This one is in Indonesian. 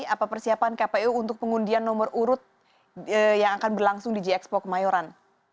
apa persiapan kpu untuk pengundian nomor urut yang akan berlangsung di gxpo kemayoran